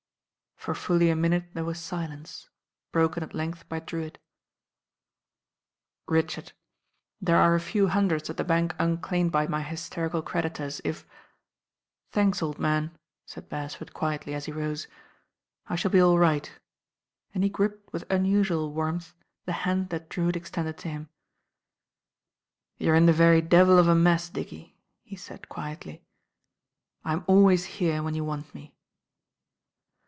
'* For fully a minute there was silence, broken at length by Drewitt. hi S2S I Mi Ml ill ii THE RAIN GIRL "Richard, there arc a few hundreds at the bank unclaimed by my hysterical creditors, if " "Thanks, old man," said Beresford quietly as he rose. "I shall be all right," and he gripped with unusual warmth the hand that Drewitt extended to him. "You're in the very devil of a mess, Dickie," he said quietly. "I'm always here when you want me."